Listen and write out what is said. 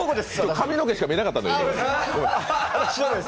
髪の毛しか見えなかったんで。